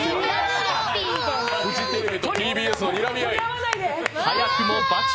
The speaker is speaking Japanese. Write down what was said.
フジテレビとＴＢＳのにらみ合い。